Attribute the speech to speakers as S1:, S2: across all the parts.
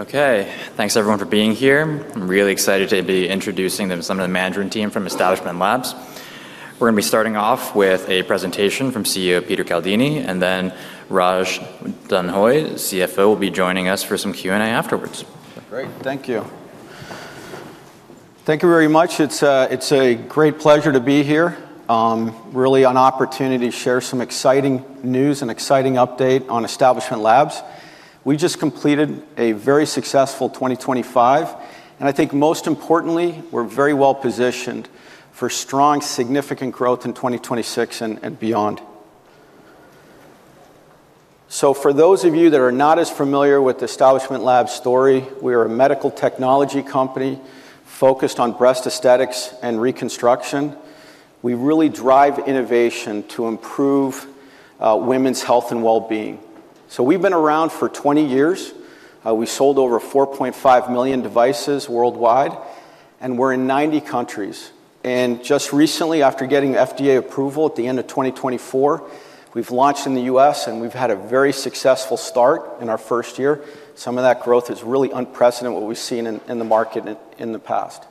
S1: Okay. Thanks, everyone, for being here. I'm really excited to be introducing some of the management team from Establishment Labs. We're going to be starting off with a presentation from CEO Peter Caldini, and then Raj Denhoy, CFO, will be joining us for some Q&A afterwards.
S2: Great. Thank you. Thank you very much. It's a great pleasure to be here, really an opportunity to share some exciting news and exciting update on Establishment Labs. We just completed a very successful 2025, and I think most importantly, we're very well positioned for strong, significant growth in 2026 and beyond. So for those of you that are not as familiar with Establishment Labs story, we are a medical technology company focused on breast aesthetics and reconstruction. We really drive innovation to improve women's health and well-being. So we've been around for 20 years. We sold over 4.5 million devices worldwide, and we're in 90 countries. And just recently, after getting FDA approval at the end of 2024, we've launched in the U.S., and we've had a very successful start in our first year. Some of that growth is really unprecedented, what we've seen in the market in the past,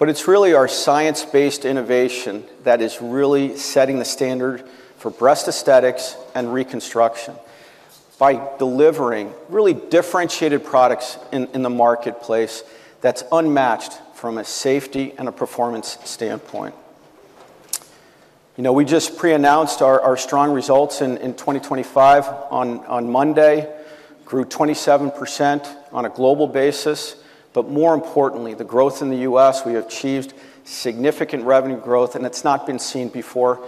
S2: but it's really our science-based innovation that is really setting the standard for breast aesthetics and reconstruction by delivering really differentiated products in the marketplace that's unmatched from a safety and a performance standpoint. We just pre-announced our strong results in 2025 on Monday. [We] grew 27% on a global basis. But more importantly, the growth in the U.S., we have achieved significant revenue growth, and it's not been seen before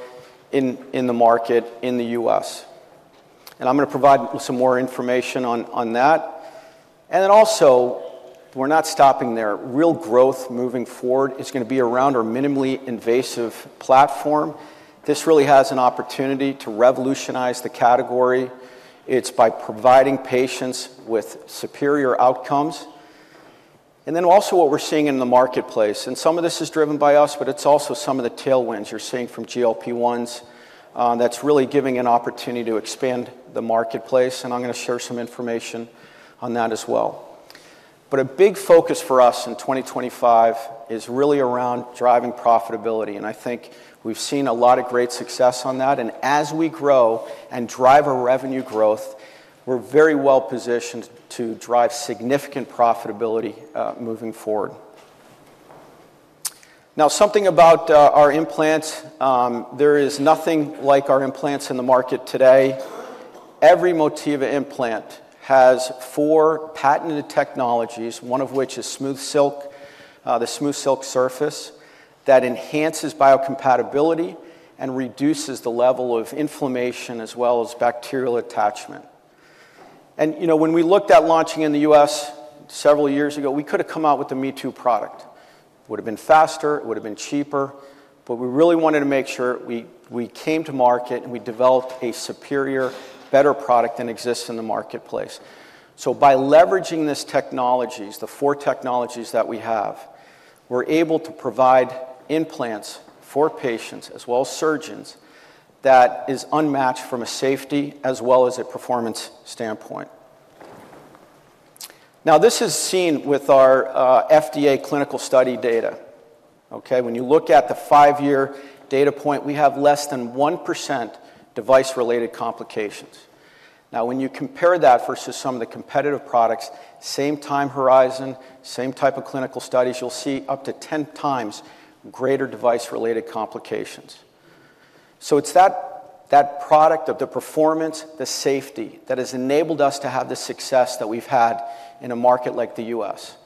S2: in the market in the U.S., and I'm going to provide some more information on that, and then also, we're not stopping there. Real growth moving forward is going to be around our minimally invasive platform. This really has an opportunity to revolutionize the category. It's by providing patients with superior outcomes. And then also what we're seeing in the marketplace, and some of this is driven by us, but it's also some of the tailwinds you're seeing from GLP-1s that's really giving an opportunity to expand the marketplace. And I'm going to share some information on that as well. But a big focus for us in 2025 is really around driving profitability. And I think we've seen a lot of great success on that. And as we grow and drive our revenue growth, we're very well positioned to drive significant profitability moving forward. Now, something about our implants. There is nothing like our implants in the market today. Every Motiva implant has four patented technologies, one of which is SmoothSilk, the SmoothSilk surface that enhances biocompatibility and reduces the level of inflammation as well as bacterial attachment. And when we looked at launching in the U.S. several years ago, we could have come out with a Me-too product. It would have been faster. It would have been cheaper. But we really wanted to make sure we came to market and we developed a superior, better product than exists in the marketplace. So by leveraging these technologies, the four technologies that we have, we're able to provide implants for patients as well as surgeons that is unmatched from a safety as well as a performance standpoint. Now, this is seen with our FDA clinical study data. When you look at the five-year data point, we have less than 1% device-related complications. Now, when you compare that versus some of the competitive products, same time horizon, same type of clinical studies, you'll see up to 10 times greater device-related complications. It's that product of the performance, the safety that has enabled us to have the success that we've had in a market like the U.S.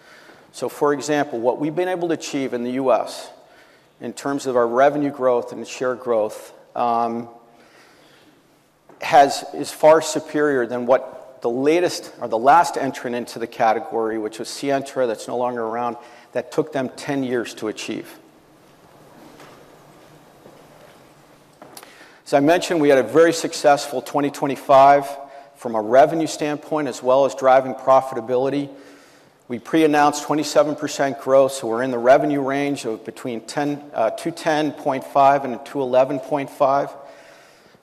S2: So, for example, what we've been able to achieve in the U.S. in terms of our revenue growth and share growth is far superior than what the latest or the last entrant into the category, which was Sientra, that's no longer around, that took them 10 years to achieve. As I mentioned, we had a very successful 2025 from a revenue standpoint as well as driving profitability. We pre-announced 27% growth, so we're in the revenue range of between $210.5 million and $211.5 million.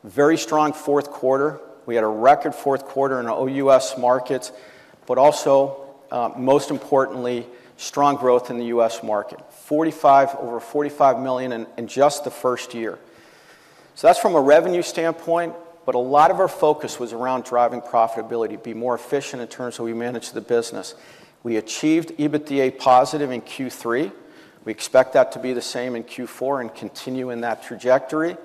S2: Very strong fourth quarter. We had a record fourth quarter in all U.S. markets, but also, most importantly, strong growth in the U.S. market, over $45 million in just the first year. That’s from a revenue standpoint, but a lot of our focus was around driving profitability, being more efficient in terms of how we manage the business. We achieved EBITDA positive in Q3. We expect that to be the same in Q4 and continue in that trajectory.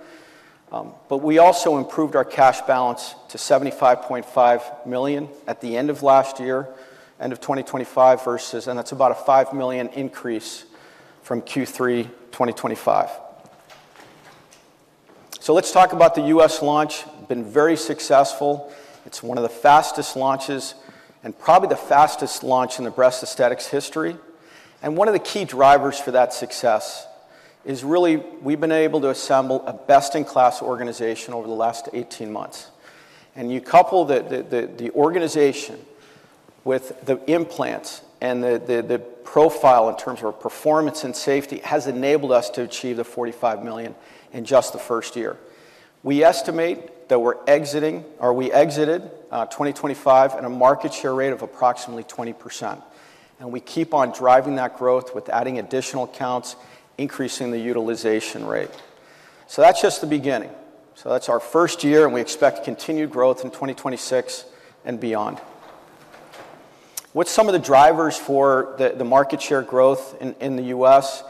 S2: But we also improved our cash balance to $75.5 million at the end of last year, end of 2025 versus, and that’s about a $5 million increase from Q3 2025. So let’s talk about the U.S. launch. It’s been very successful. It’s one of the fastest launches and probably the fastest launch in the breast aesthetics history. And one of the key drivers for that success is really we’ve been able to assemble a best-in-class organization over the last 18 months. And you couple the organization with the implants and the profile in terms of our performance and safety has enabled us to achieve the $45 million in just the first year. We estimate that we're exiting, or we exited 2025 at a market share rate of approximately 20%. And we keep on driving that growth with adding additional accounts, increasing the utilization rate. So that's just the beginning. So that's our first year, and we expect continued growth in 2026 and beyond. What are some of the drivers for the market share growth in the U.S.?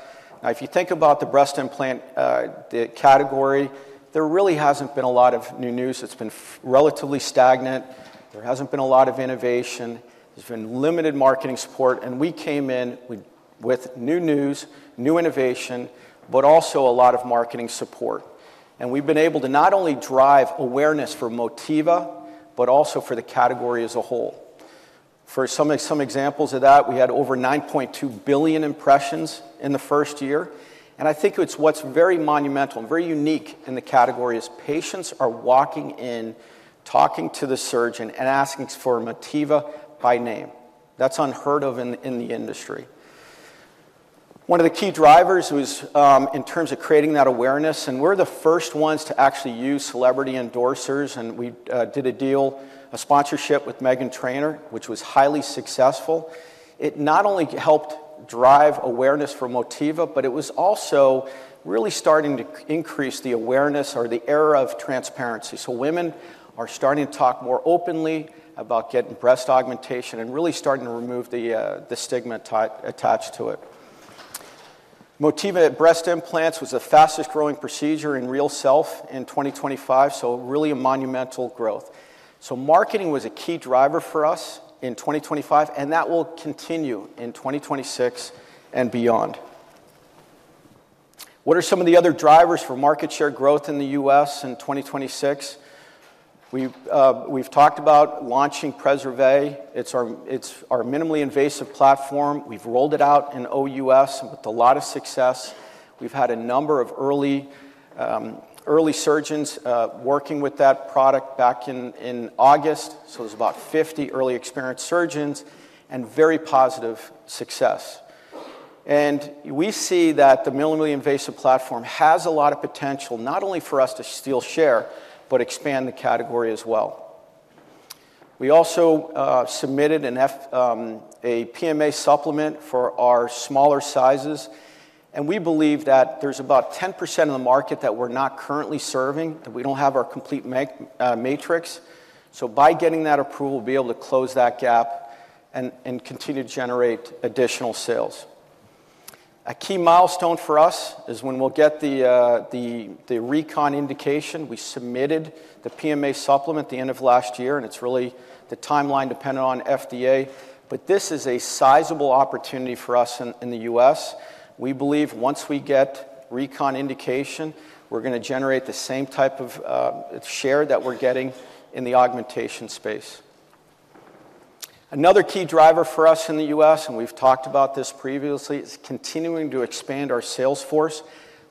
S2: Now, if you think about the breast implant category, there really hasn't been a lot of new news. It's been relatively stagnant. There hasn't been a lot of innovation. There's been limited marketing support. And we came in with new news, new innovation, but also a lot of marketing support. We've been able to not only drive awareness for Motiva, but also for the category as a whole. For some examples of that, we had over 9.2 billion impressions in the first year. I think what's very monumental and very unique in the category is patients are walking in, talking to the surgeon, and asking for Motiva by name. That's unheard of in the industry. One of the key drivers was in terms of creating that awareness. We're the first ones to actually use celebrity endorsers. We did a deal, a sponsorship with Meghan Trainor, which was highly successful. It not only helped drive awareness for Motiva, but it was also really starting to increase the awareness or the era of transparency. Women are starting to talk more openly about getting breast augmentation and really starting to remove the stigma attached to it. Motiva breast implants was the fastest growing procedure in RealSelf in 2025, so really a monumental growth, so marketing was a key driver for us in 2025, and that will continue in 2026 and beyond. What are some of the other drivers for market share growth in the U.S. in 2026? We've talked about launching Preservé. It's our minimally invasive platform. We've rolled it out in U.S. with a lot of success. We've had a number of early surgeons working with that product back in August, so there's about 50 early experienced surgeons and very positive success, and we see that the minimally invasive platform has a lot of potential, not only for us to steal share, but expand the category as well. We also submitted a PMA supplement for our smaller sizes. We believe that there's about 10% of the market that we're not currently serving, that we don't have our complete matrix. So by getting that approval, we'll be able to close that gap and continue to generate additional sales. A key milestone for us is when we'll get the recon indication. We submitted the PMA supplement at the end of last year, and it's really the timeline dependent on FDA. But this is a sizable opportunity for us in the U.S. We believe once we get recon indication, we're going to generate the same type of share that we're getting in the augmentation space. Another key driver for us in the U.S., and we've talked about this previously, is continuing to expand our sales force.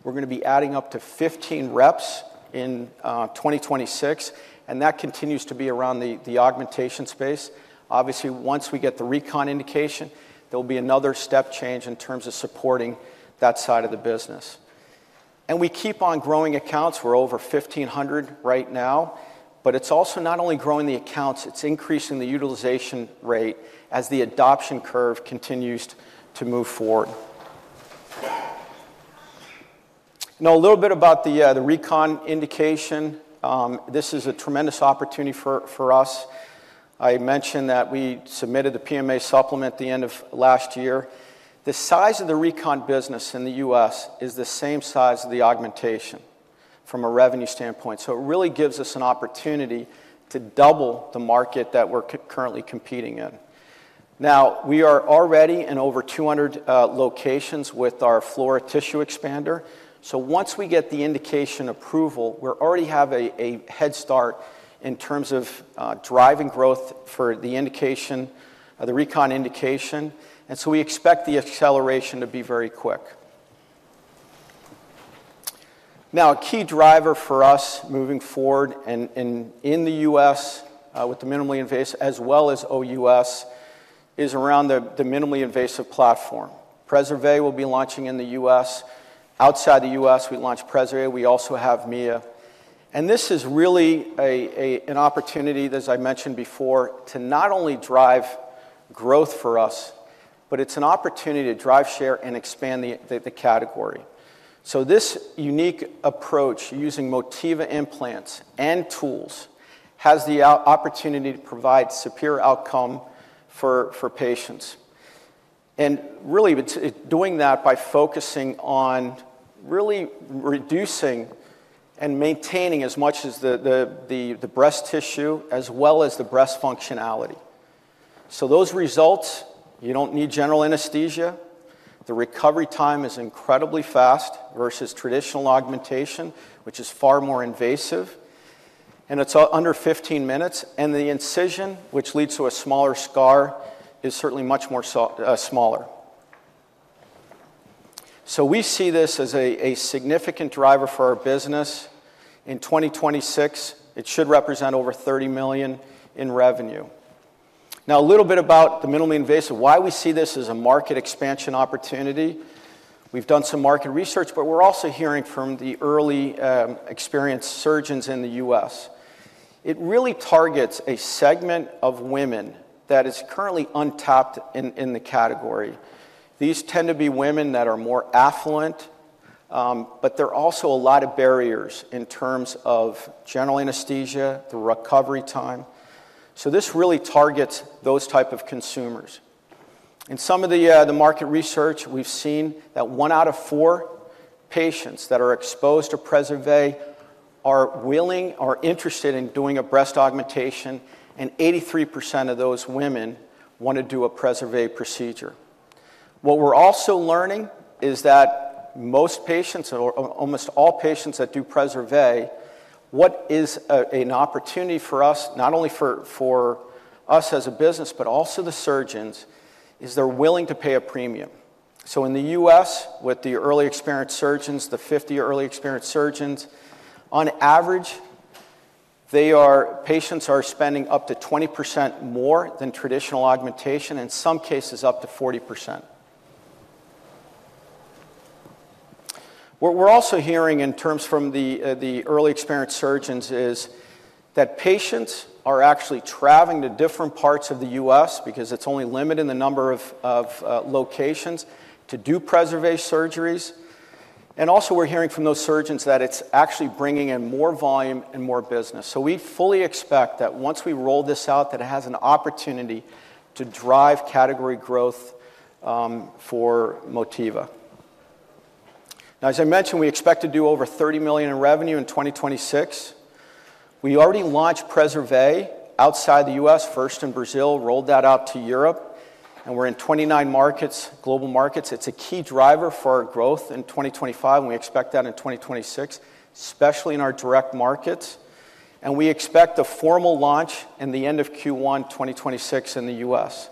S2: We're going to be adding up to 15 reps in 2026, and that continues to be around the augmentation space. Obviously, once we get the recon indication, there will be another step change in terms of supporting that side of the business. And we keep on growing accounts. We're over 1,500 right now, but it's also not only growing the accounts, it's increasing the utilization rate as the adoption curve continues to move forward. Now, a little bit about the recon indication. This is a tremendous opportunity for us. I mentioned that we submitted the PMA supplement at the end of last year. The size of the recon business in the U.S. is the same size as the augmentation from a revenue standpoint. So it really gives us an opportunity to double the market that we're currently competing in. Now, we are already in over 200 locations with our Flora Tissue Expander. So once we get the indication approval, we already have a head start in terms of driving growth for the recon indication, and so we expect the acceleration to be very quick. Now, a key driver for us moving forward in the U.S. with the minimally invasive as well as O.U.S. is around the minimally invasive platform. Preservé will be launching in the U.S. Outside the U.S., we launch Preservé. We also have Mia, and this is really an opportunity, as I mentioned before, to not only drive growth for us, but it's an opportunity to drive share and expand the category, so this unique approach using Motiva Implants and tools has the opportunity to provide superior outcome for patients, and really, it's doing that by focusing on really reducing and maintaining as much as the breast tissue as well as the breast functionality. So those results, you don't need general anesthesia. The recovery time is incredibly fast versus traditional augmentation, which is far more invasive, and it's under 15 minutes, and the incision, which leads to a smaller scar, is certainly much smaller, so we see this as a significant driver for our business. In 2026, it should represent over $30 million in revenue. Now, a little bit about the minimally invasive, why we see this as a market expansion opportunity. We've done some market research, but we're also hearing from the early experienced surgeons in the U.S. It really targets a segment of women that is currently untapped in the category. These tend to be women that are more affluent, but there are also a lot of barriers in terms of general anesthesia, the recovery time, so this really targets those types of consumers. In some of the market research, we've seen that one out of four patients that are exposed to Preservé are willing or interested in doing a breast augmentation, and 83% of those women want to do a Preservé procedure. What we're also learning is that most patients, almost all patients that do Preservé, what is an opportunity for us, not only for us as a business, but also the surgeons, is they're willing to pay a premium. So in the U.S., with the early experienced surgeons, the 50 early experienced surgeons, on average, patients are spending up to 20% more than traditional augmentation, in some cases up to 40%. What we're also hearing in terms from the early experienced surgeons is that patients are actually traveling to different parts of the U.S. because it's only limited in the number of locations to do Preservé surgeries. And also, we're hearing from those surgeons that it's actually bringing in more volume and more business. So we fully expect that once we roll this out, that it has an opportunity to drive category growth for Motiva. Now, as I mentioned, we expect to do over $30 million in revenue in 2026. We already launched Preservé outside the U.S., first in Brazil, rolled that out to Europe, and we're in 29 global markets. It's a key driver for our growth in 2025, and we expect that in 2026, especially in our direct markets. And we expect a formal launch at the end of Q1 2026 in the U.S.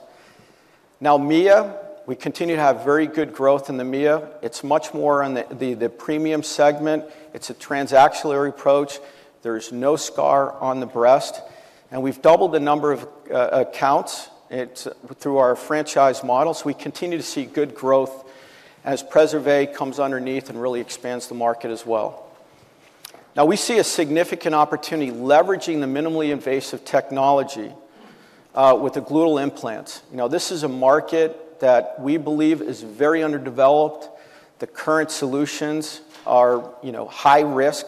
S2: Now, Mia, we continue to have very good growth in the Mia. It's much more on the premium segment. It's a trans-axillary approach. There's no scar on the breast. And we've doubled the number of accounts through our franchise model. We continue to see good growth as Preservé comes underneath and really expands the market as well. Now, we see a significant opportunity leveraging the minimally invasive technology with the gluteal implants. This is a market that we believe is very underdeveloped. The current solutions are high risk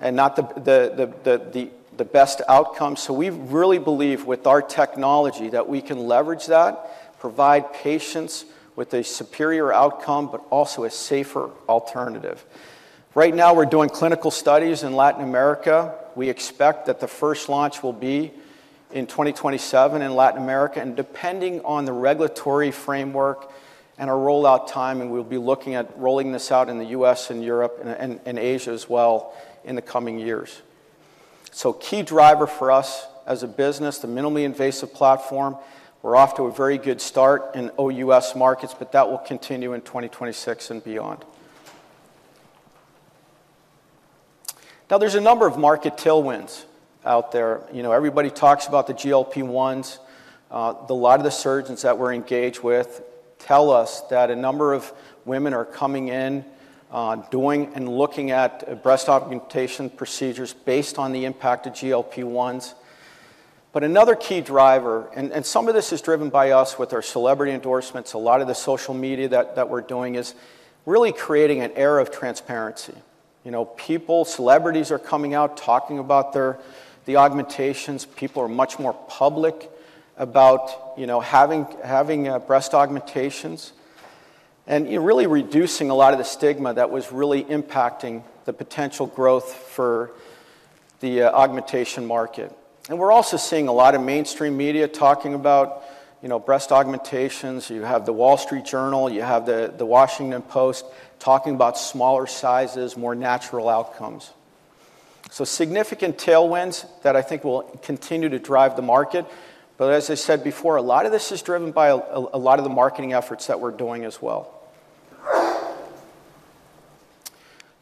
S2: and not the best outcome. So we really believe with our technology that we can leverage that, provide patients with a superior outcome, but also a safer alternative. Right now, we're doing clinical studies in Latin America. We expect that the first launch will be in 2027 in Latin America, and depending on the regulatory framework and our rollout time, we'll be looking at rolling this out in the U.S. and Europe and Asia as well in the coming years. So key driver for us as a business, the minimally invasive platform, we're off to a very good start in O.U.S. markets, but that will continue in 2026 and beyond. Now, there's a number of market tailwinds out there. Everybody talks about the GLP-1s. A lot of the surgeons that we're engaged with tell us that a number of women are coming in, doing and looking at breast augmentation procedures based on the impact of GLP-1s. But another key driver, and some of this is driven by us with our celebrity endorsements, a lot of the social media that we're doing is really creating an era of transparency. People, celebrities are coming out talking about the augmentations. People are much more public about having breast augmentations and really reducing a lot of the stigma that was really impacting the potential growth for the augmentation market. And we're also seeing a lot of mainstream media talking about breast augmentations. You have The Wall Street Journal, you have The Washington Post talking about smaller sizes, more natural outcomes. So significant tailwinds that I think will continue to drive the market. But as I said before, a lot of this is driven by a lot of the marketing efforts that we're doing as well.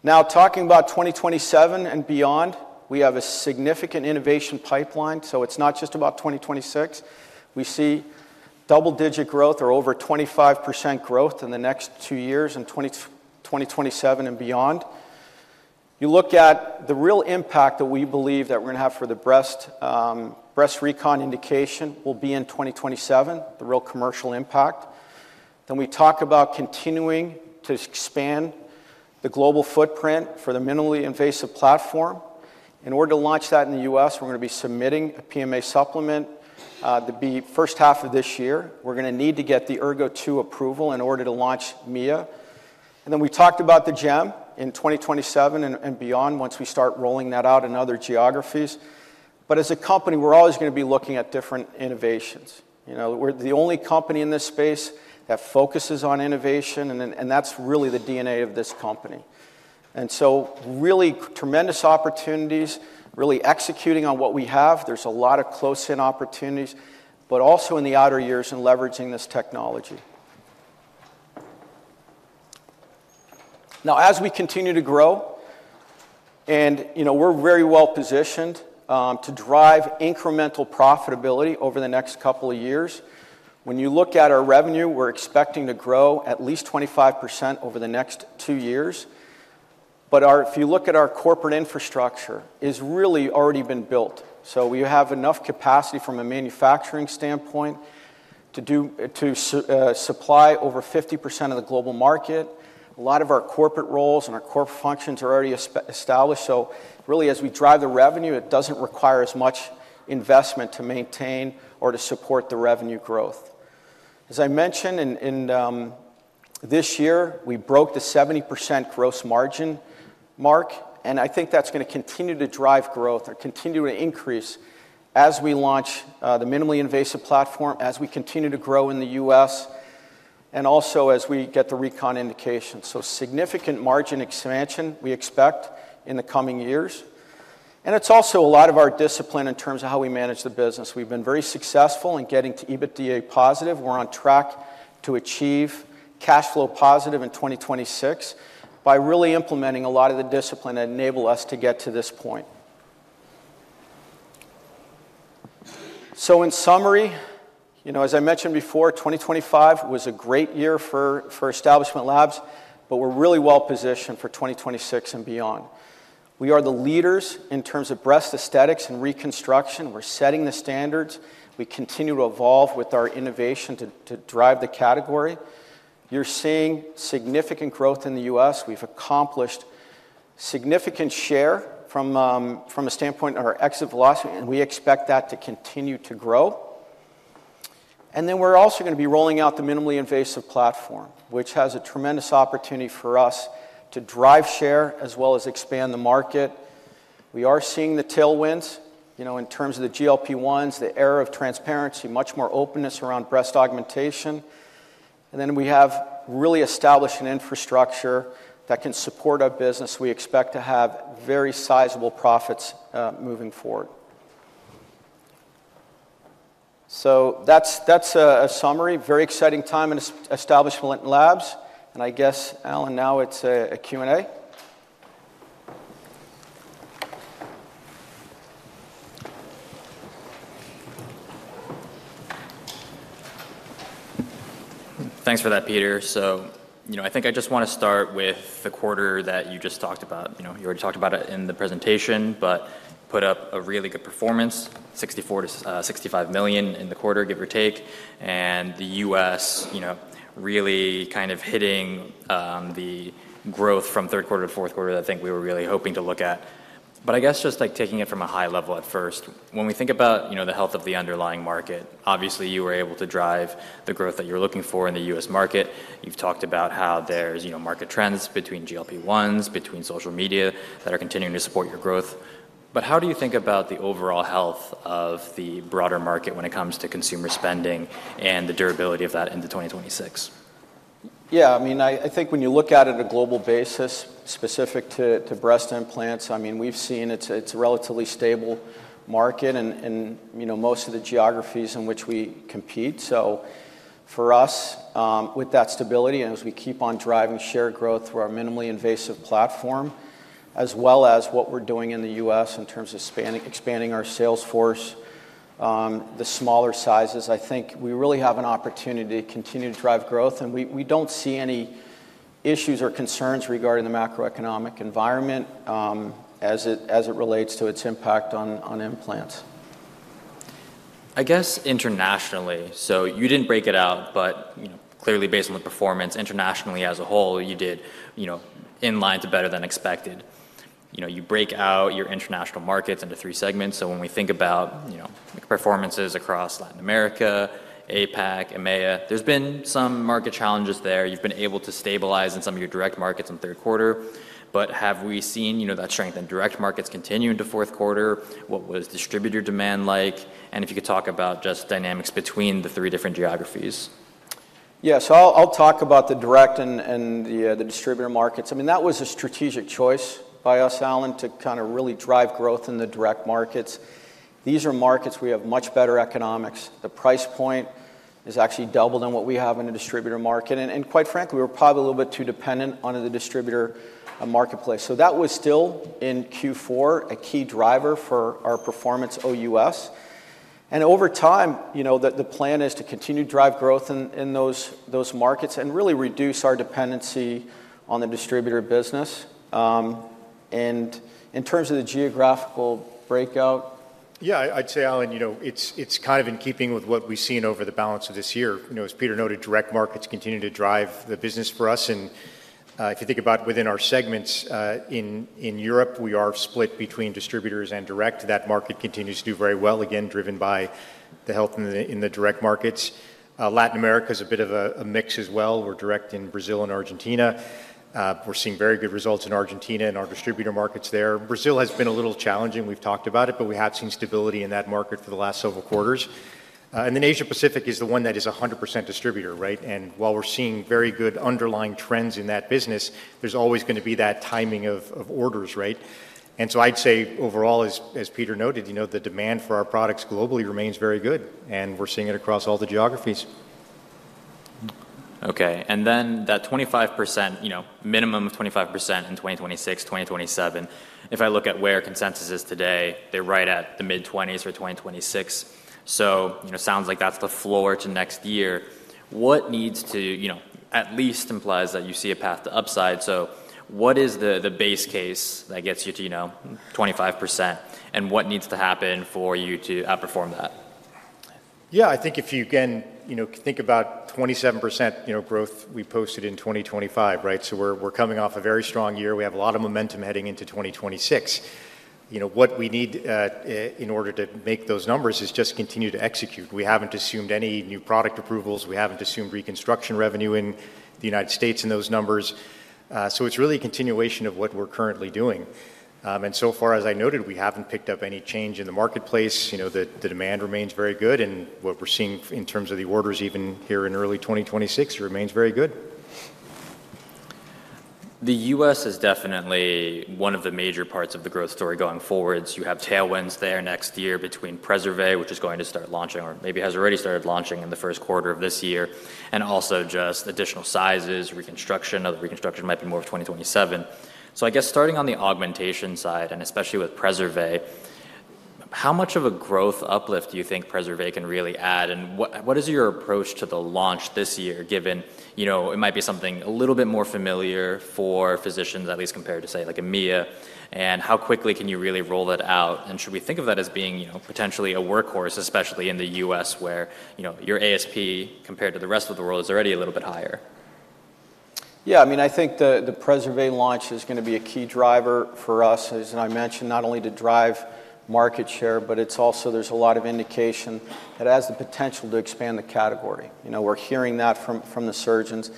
S2: Now, talking about 2027 and beyond, we have a significant innovation pipeline. So it's not just about 2026. We see double-digit growth or over 25% growth in the next two years in 2027 and beyond. You look at the real impact that we believe that we're going to have for the breast recon indication will be in 2027, the real commercial impact. Then we talk about continuing to expand the global footprint for the minimally invasive platform. In order to launch that in the U.S., we're going to be submitting a PMA supplement the first half of this year. We're going to need to get the Ergo2 approval in order to launch Mia, and then we talked about the GEM in 2027 and beyond once we start rolling that out in other geographies, but as a company, we're always going to be looking at different innovations. We're the only company in this space that focuses on innovation, and that's really the DNA of this company, and so really tremendous opportunities, really executing on what we have. There's a lot of close-in opportunities, but also in the outer years and leveraging this technology. Now, as we continue to grow, and we're very well positioned to drive incremental profitability over the next couple of years. When you look at our revenue, we're expecting to grow at least 25% over the next two years. But if you look at our corporate infrastructure, it has really already been built. So we have enough capacity from a manufacturing standpoint to supply over 50% of the global market. A lot of our corporate roles and our corporate functions are already established. So really, as we drive the revenue, it doesn't require as much investment to maintain or to support the revenue growth. As I mentioned, this year, we broke the 70% gross margin mark. And I think that's going to continue to drive growth and continue to increase as we launch the minimally invasive platform, as we continue to grow in the U.S., and also as we get the recon indication. So significant margin expansion we expect in the coming years. It's also a lot of our discipline in terms of how we manage the business. We've been very successful in getting to EBITDA positive. We're on track to achieve cash flow positive in 2026 by really implementing a lot of the discipline that enabled us to get to this point. In summary, as I mentioned before, 2025 was a great year for Establishment Labs, but we're really well positioned for 2026 and beyond. We are the leaders in terms of breast aesthetics and reconstruction. We're setting the standards. We continue to evolve with our innovation to drive the category. You're seeing significant growth in the U.S. We've accomplished significant share from a standpoint of our exit velocity, and we expect that to continue to grow. And then we're also going to be rolling out the minimally invasive platform, which has a tremendous opportunity for us to drive share as well as expand the market. We are seeing the tailwinds in terms of the GLP-1s, the era of transparency, much more openness around breast augmentation. And then we have really established an infrastructure that can support our business. We expect to have very sizable profits moving forward. So that's a summary. Very exciting time in Establishment Labs. And I guess, Alan, now it's a Q&A. Thanks for that, Peter. So I think I just want to start with the quarter that you just talked about. You already talked about it in the presentation, but put up a really good performance, $64 million-$65 million in the quarter, give or take. The U.S. really kind of hitting the growth from third quarter to fourth quarter that I think we were really hoping to look at. I guess just taking it from a high level at first, when we think about the health of the underlying market, obviously you were able to drive the growth that you were looking for in the U.S. market. You've talked about how there's market trends between GLP-1s, between social media that are continuing to support your growth. How do you think about the overall health of the broader market when it comes to consumer spending and the durability of that into 2026? Yeah, I mean, I think when you look at it on a global basis specific to breast implants, I mean, we've seen it's a relatively stable market in most of the geographies in which we compete. So for us, with that stability and as we keep on driving share growth through our minimally invasive platform, as well as what we're doing in the U.S. in terms of expanding our sales force, the smaller sizes, I think we really have an opportunity to continue to drive growth, and we don't see any issues or concerns regarding the macroeconomic environment as it relates to its impact on implants. I guess internationally, so you didn't break it out, but clearly based on the performance internationally as a whole, you did in line to better than expected. You break out your international markets into three segments. So when we think about performances across Latin America, APAC, EMEA, there's been some market challenges there. You've been able to stabilize in some of your direct markets in third quarter. But have we seen that strength in direct markets continue into fourth quarter? What was distributor demand like? And if you could talk about just dynamics between the three different geographies. Yeah, so I'll talk about the direct and the distributor markets. I mean, that was a strategic choice by us, Alan, to kind of really drive growth in the direct markets. These are markets we have much better economics. The price point is actually double than what we have in the distributor market. And quite frankly, we were probably a little bit too dependent on the distributor marketplace. So that was still in Q4 a key driver for our performance O.U.S. And over time, the plan is to continue to drive growth in those markets and really reduce our dependency on the distributor business. And in terms of the geographical breakout.
S3: Yeah, I'd say, Alan, it's kind of in keeping with what we've seen over the balance of this year. As Peter noted, direct markets continue to drive the business for us. And if you think about within our segments in Europe, we are split between distributors and direct. That market continues to do very well, again, driven by the health in the direct markets. Latin America is a bit of a mix as well. We're direct in Brazil and Argentina. We're seeing very good results in Argentina and our distributor markets there. Brazil has been a little challenging. We've talked about it, but we have seen stability in that market for the last several quarters. And then Asia-Pacific is the one that is 100% distributor, right? And while we're seeing very good underlying trends in that business, there's always going to be that timing of orders, right? And so I'd say overall, as Peter noted, the demand for our products globally remains very good, and we're seeing it across all the geographies. Okay. And then that 25%, minimum of 25% in 2026, 2027, if I look at where consensus is today, they're right at the mid-20s for 2026. So it sounds like that's the floor to next year. What needs to at least implies that you see a path to upside. So what is the base case that gets you to 25%, and what needs to happen for you to outperform that? Yeah, I think if you can think about 27% growth we posted in 2025, right? So we're coming off a very strong year. We have a lot of momentum heading into 2026. What we need in order to make those numbers is just continue to execute. We haven't assumed any new product approvals. We haven't assumed reconstruction revenue in the United States in those numbers. So it's really a continuation of what we're currently doing. And so far, as I noted, we haven't picked up any change in the marketplace. The demand remains very good, and what we're seeing in terms of the orders, even here in early 2026, remains very good. The U.S. is definitely one of the major parts of the growth story going forward. You have tailwinds there next year between Preservé, which is going to start launching, or maybe has already started launching in the first quarter of this year, and also just additional sizes, reconstruction. The reconstruction might be more of 2027. So I guess starting on the augmentation side, and especially with Preservé, how much of a growth uplift do you think Preservé can really add? And what is your approach to the launch this year, given it might be something a little bit more familiar for physicians, at least compared to, say, like EMEA? And how quickly can you really roll that out? And should we think of that as being potentially a workhorse, especially in the U.S., where your ASP compared to the rest of the world is already a little bit higher?
S2: Yeah, I mean, I think the Preservé launch is going to be a key driver for us, as I mentioned, not only to drive market share, but also, there's a lot of indication that it has the potential to expand the category. We're hearing that from the surgeons.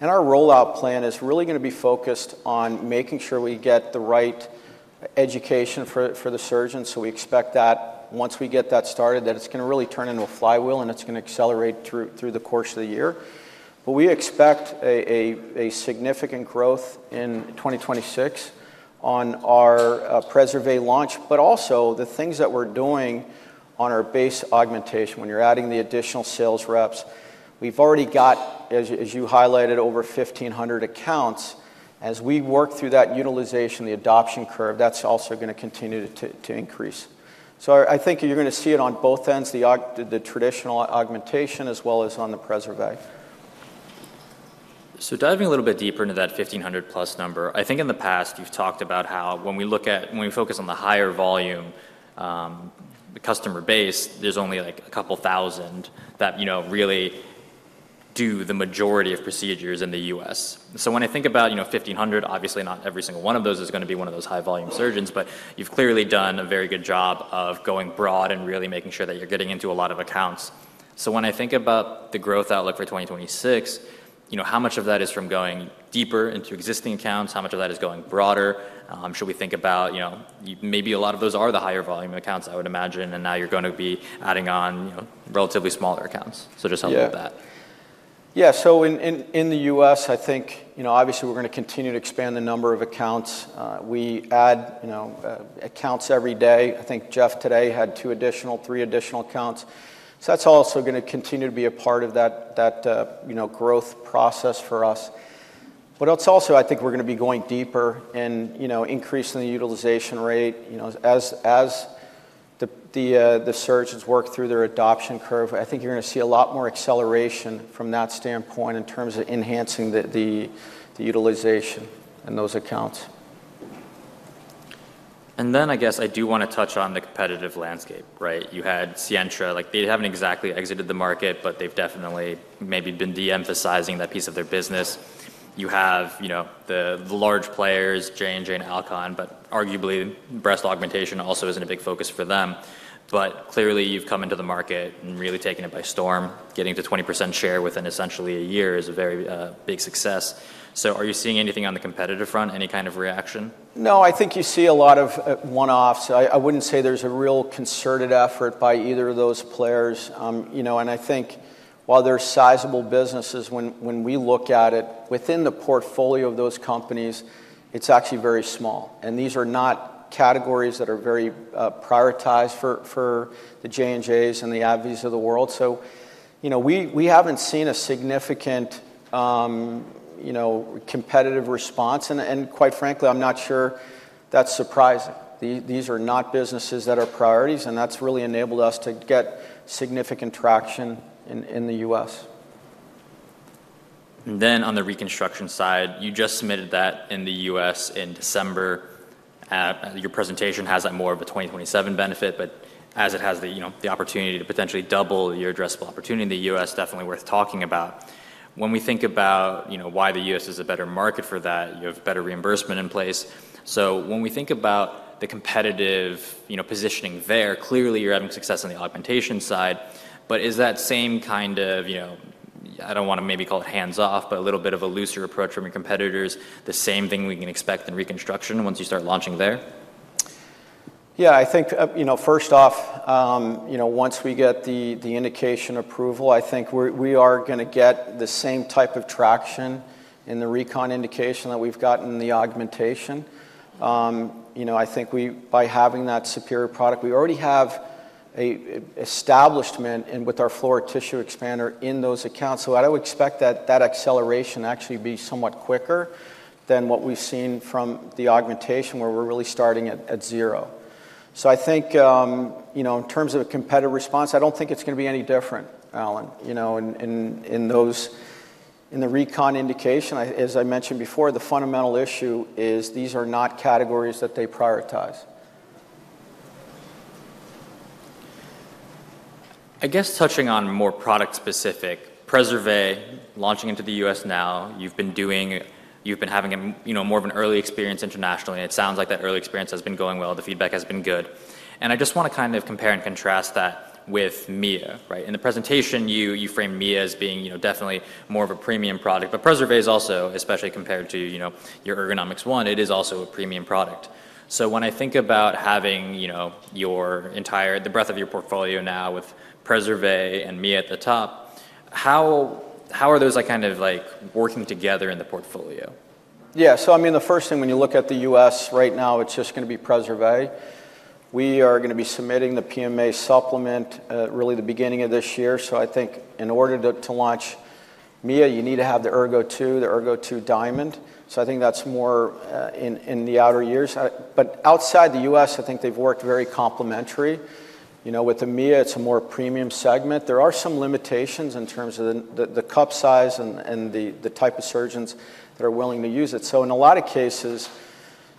S2: And our rollout plan is really going to be focused on making sure we get the right education for the surgeons. So we expect that once we get that started, that it's going to really turn into a flywheel, and it's going to accelerate through the course of the year. But we expect significant growth in 2026 on our Preservé launch, but also the things that we're doing on our breast augmentation. When you're adding the additional sales reps, we've already got, as you highlighted, over 1,500 accounts. As we work through that utilization, the adoption curve, that's also going to continue to increase. So I think you're going to see it on both ends, the traditional augmentation as well as on the Preservé. So diving a little bit deeper into that 1,500+ number, I think in the past you've talked about how when we look at, when we focus on the higher volume, the customer base, there's only like a couple thousand that really do the majority of procedures in the U.S. So when I think about 1,500, obviously not every single one of those is going to be one of those high-volume surgeons, but you've clearly done a very good job of going broad and really making sure that you're getting into a lot of accounts. So when I think about the growth outlook for 2026, how much of that is from going deeper into existing accounts? How much of that is going broader? Should we think about maybe a lot of those are the higher volume accounts, I would imagine, and now you're going to be adding on relatively smaller accounts? So just how about that? Yeah. So in the U.S., I think obviously we're going to continue to expand the number of accounts. We add accounts every day. I think Jeff today had two additional, three additional accounts. So that's also going to continue to be a part of that growth process for us. But it's also, I think, we're going to be going deeper and increasing the utilization rate. As the surgeons work through their adoption curve, I think you're going to see a lot more acceleration from that standpoint in terms of enhancing the utilization in those accounts. And then I guess I do want to touch on the competitive landscape, right? You had Sientra. They haven't exactly exited the market, but they've definitely maybe been de-emphasizing that piece of their business. You have the large players, J&J and Alcon, but arguably breast augmentation also isn't a big focus for them. But clearly you've come into the market and really taken it by storm. Getting to 20% share within essentially a year is a very big success. So are you seeing anything on the competitive front? Any kind of reaction? No, I think you see a lot of one-offs. I wouldn't say there's a real concerted effort by either of those players. And I think while they're sizable businesses, when we look at it within the portfolio of those companies, it's actually very small. And these are not categories that are very prioritized for the J&Js and the AbbVies of the world. So we haven't seen a significant competitive response. And quite frankly, I'm not sure that's surprising. These are not businesses that are priorities, and that's really enabled us to get significant traction in the U.S. And then on the reconstruction side, you just submitted that in the U.S. in December. Your presentation has that more of a 2027 benefit, but as it has the opportunity to potentially double your addressable opportunity in the U.S., definitely worth talking about. When we think about why the U.S. is a better market for that, you have better reimbursement in place. So when we think about the competitive positioning there, clearly you're having success on the augmentation side. But is that same kind of, I don't want to maybe call it hands-off, but a little bit of a looser approach from your competitors, the same thing we can expect in reconstruction once you start launching there? Yeah, I think first off, once we get the indication approval, I think we are going to get the same type of traction in the recon indication that we've gotten in the augmentation. I think by having that superior product, we already have an establishment with our Flora tissue expander in those accounts. So I would expect that that acceleration actually be somewhat quicker than what we've seen from the augmentation where we're really starting at zero. So I think in terms of a competitive response, I don't think it's going to be any different, Alan, in the recon indication. As I mentioned before, the fundamental issue is these are not categories that they prioritize. I guess touching on more product-specific, Preservé launching into the U.S. now. You've been having more of an early experience internationally. It sounds like that early experience has been going well. The feedback has been good. I just want to kind of compare and contrast that with Mia, right? In the presentation, you frame Mia as being definitely more of a premium product. Preservé is also, especially compared to your Ergonomix1, a premium product. When I think about having the breadth of your portfolio now with Preservé and Mia at the top, how are those kind of working together in the portfolio? Yeah, so I mean, the first thing when you look at the U.S. right now, it's just going to be Preservé. We are going to be submitting the PMA supplement really the beginning of this year. So I think in order to launch Mia, you need to have the Ergo2, the Ergo2 Diamond. So I think that's more in the outer years. But outside the U.S., I think they've worked very complementary. With the Mia, it's a more premium segment. There are some limitations in terms of the cup size and the type of surgeons that are willing to use it. So in a lot of cases,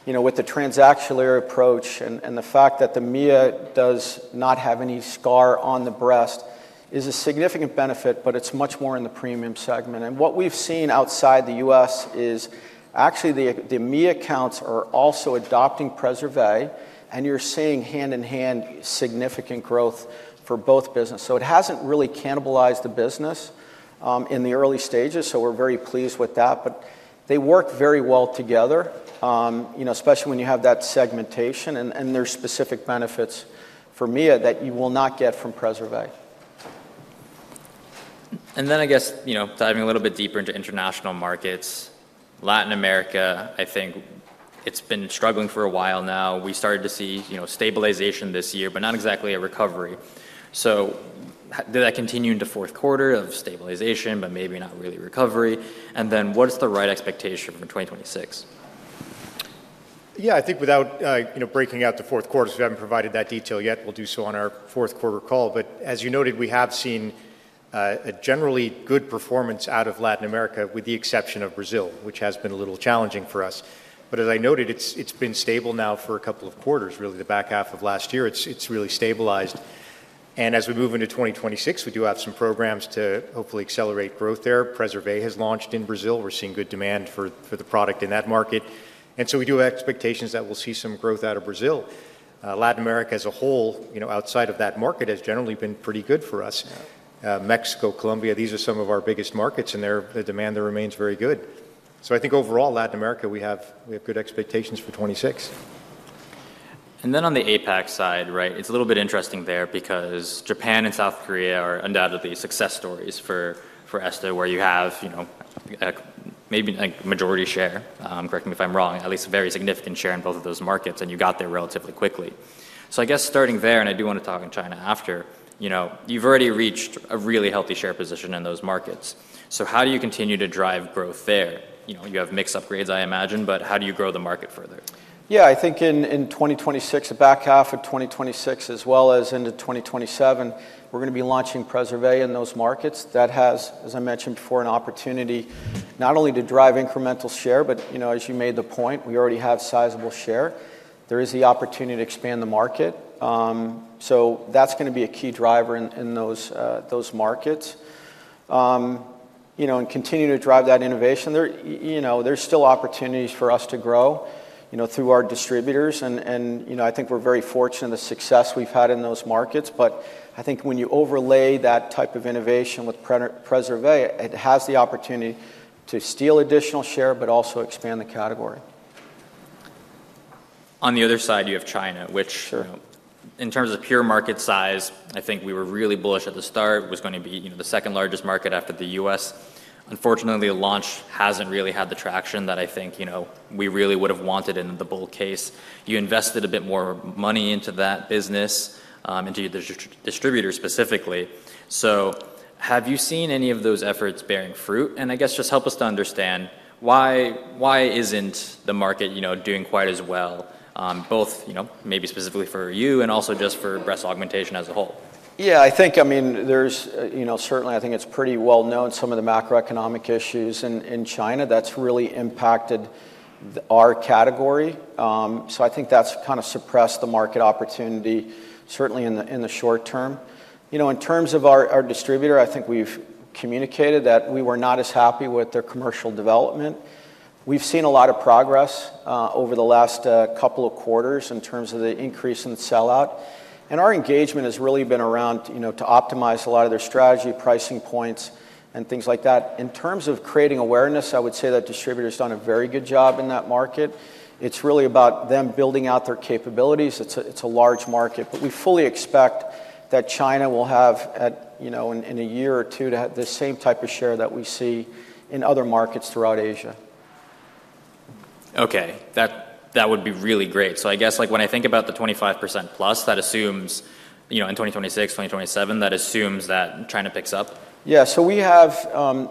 S2: with the trans-axillary approach and the fact that the Mia does not have any scar on the breast is a significant benefit, but it's much more in the premium segment. And what we've seen outside the U.S. is actually the Mia accounts are also adopting Preservé, and you're seeing hand-in-hand significant growth for both businesses. So it hasn't really cannibalized the business in the early stages, so we're very pleased with that. But they work very well together, especially when you have that segmentation. And there's specific benefits for Mia that you will not get from Preservé. And then I guess diving a little bit deeper into international markets, Latin America, I think it's been struggling for a while now. We started to see stabilization this year, but not exactly a recovery. So did that continue into fourth quarter of stabilization, but maybe not really recovery? And then what is the right expectation for 2026?
S3: Yeah, I think without breaking out to fourth quarter, we haven't provided that detail yet. We'll do so on our fourth quarter call. But as you noted, we have seen a generally good performance out of Latin America, with the exception of Brazil, which has been a little challenging for us. But as I noted, it's been stable now for a couple of quarters, really the back half of last year. It's really stabilized. And as we move into 2026, we do have some programs to hopefully accelerate growth there. Preservé has launched in Brazil. We're seeing good demand for the product in that market. And so we do have expectations that we'll see some growth out of Brazil. Latin America as a whole, outside of that market, has generally been pretty good for us. Mexico, Colombia, these are some of our biggest markets, and the demand there remains very good. So I think overall, Latin America, we have good expectations for 2026. And then on the APAC side, right, it's a little bit interesting there because Japan and South Korea are undoubtedly success stories for ESTO, where you have maybe a majority share, correct me if I'm wrong, at least a very significant share in both of those markets, and you got there relatively quickly. So I guess starting there, and I do want to talk about China after, you've already reached a really healthy share position in those markets. So how do you continue to drive growth there? You have implant upgrades, I imagine, but how do you grow the market further?
S2: Yeah, I think in 2026, the back half of 2026, as well as into 2027, we're going to be launching Preservé in those markets. That has, as I mentioned before, an opportunity not only to drive incremental share, but as you made the point, we already have sizable share. There is the opportunity to expand the market. So that's going to be a key driver in those markets, and continue to drive that innovation. There's still opportunities for us to grow through our distributors, and I think we're very fortunate in the success we've had in those markets, but I think when you overlay that type of innovation with Preservé, it has the opportunity to steal additional share, but also expand the category. On the other side, you have China, which in terms of pure market size, I think we were really bullish at the start. It was going to be the second largest market after the U.S. Unfortunately, the launch hasn't really had the traction that I think we really would have wanted in the bull case. You invested a bit more money into that business, into the distributor specifically. So have you seen any of those efforts bearing fruit? And I guess just help us to understand why isn't the market doing quite as well, both maybe specifically for you and also just for breast augmentation as a whole? Yeah, I think, I mean, certainly I think it's pretty well known some of the macroeconomic issues in China that's really impacted our category. So I think that's kind of suppressed the market opportunity, certainly in the short term. In terms of our distributor, I think we've communicated that we were not as happy with their commercial development. We've seen a lot of progress over the last couple of quarters in terms of the increase in sellout. And our engagement has really been around to optimize a lot of their strategy, pricing points, and things like that. In terms of creating awareness, I would say that distributor has done a very good job in that market. It's really about them building out their capabilities. It's a large market. But we fully expect that China will have in a year or two to have the same type of share that we see in other markets throughout Asia. Okay, that would be really great. So I guess when I think about the 25%+, that assumes in 2026, 2027, that assumes that China picks up? Yeah, so we have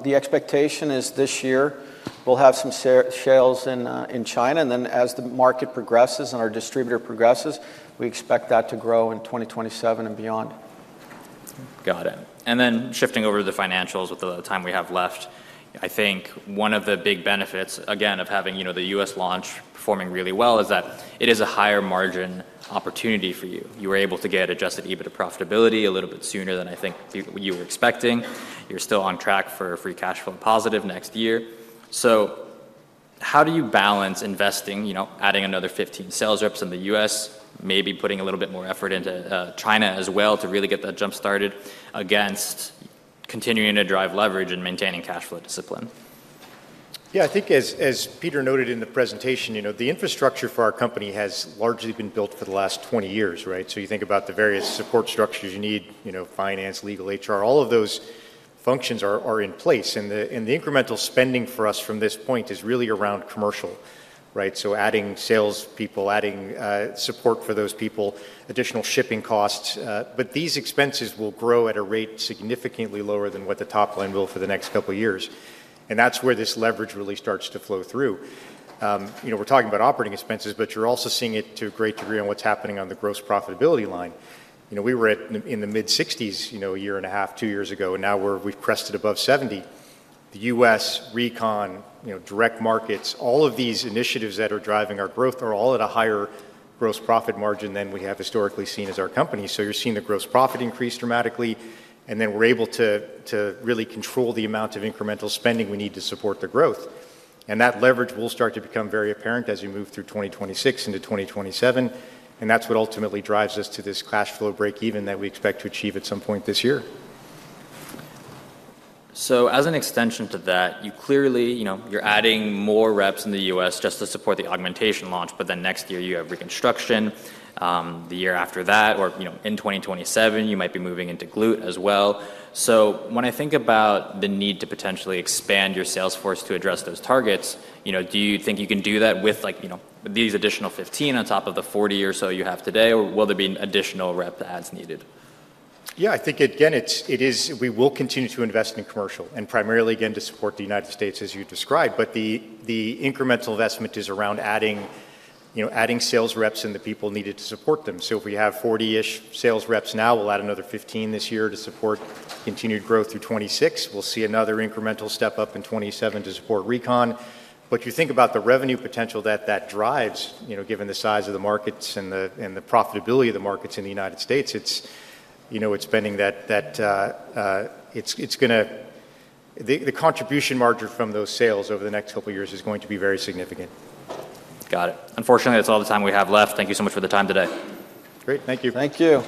S2: the expectation is this year we'll have some sales in China, and then as the market progresses and our distributor progresses, we expect that to grow in 2027 and beyond. Got it. And then shifting over to the financials with the time we have left, I think one of the big benefits, again, of having the U.S. launch performing really well is that it is a higher margin opportunity for you. You were able to get adjusted EBITDA profitability a little bit sooner than I think you were expecting. You're still on track for free cash flow positive next year. So how do you balance investing, adding another 15 sales reps in the U.S., maybe putting a little bit more effort into China as well to really get that jump started against continuing to drive leverage and maintaining cash flow discipline?
S3: Yeah, I think as Peter noted in the presentation, the infrastructure for our company has largely been built for the last 20 years, right? So you think about the various support structures you need, finance, legal, HR, all of those functions are in place. And the incremental spending for us from this point is really around commercial, right? So adding salespeople, adding support for those people, additional shipping costs. But these expenses will grow at a rate significantly lower than what the top line will for the next couple of years. And that's where this leverage really starts to flow through. We're talking about operating expenses, but you're also seeing it to a great degree on what's happening on the gross profitability line. We were in the mid-60s% a year and a half, two years ago, and now we've crested above 70%. The U.S., recon, direct markets, all of these initiatives that are driving our growth are all at a higher gross profit margin than we have historically seen as our company. So you're seeing the gross profit increase dramatically, and then we're able to really control the amount of incremental spending we need to support the growth. And that leverage will start to become very apparent as we move through 2026 into 2027. And that's what ultimately drives us to this cash flow break-even that we expect to achieve at some point this year. So as an extension to that, you clearly, you're adding more reps in the U.S. just to support the augmentation launch, but then next year you have reconstruction. The year after that, or in 2027, you might be moving into glutes as well. So when I think about the need to potentially expand your sales force to address those targets, do you think you can do that with these additional 15 on top of the 40 or so you have today? Or will there be an additional rep adds needed? Yeah, I think again, we will continue to invest in commercial and primarily again to support the United States as you described. But the incremental investment is around adding sales reps and the people needed to support them. So if we have 40-ish sales reps now, we'll add another 15 this year to support continued growth through 2026. We'll see another incremental step up in 2027 to support recon. But you think about the revenue potential that that drives, given the size of the markets and the profitability of the markets in the United States, it's going to the contribution margin from those sales over the next couple of years is going to be very significant. Got it. Unfortunately, that's all the time we have left. Thank you so much for the time today. Great, thank you.
S2: Thank you.